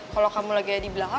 kalo kamu lagi di belakang